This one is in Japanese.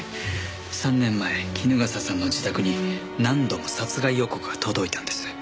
３年前衣笠さんの自宅に何度も殺害予告が届いたんです。